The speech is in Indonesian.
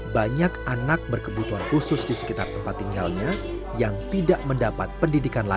banyak anak berkebutuhan khusus di sekitar tempat tinggalnya yang tidak mendapat pendidikan lainnya